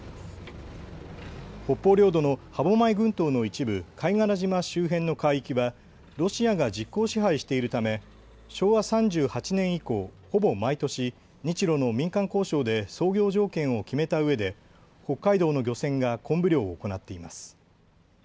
北方領土の歯舞群島の一部、貝殻島周辺の海域はロシアが実効支配しているため昭和３８年以降、ほぼ毎年、日ロの民間交渉で操業条件を決めたうえで北海道の漁船がコンブ漁を行っています。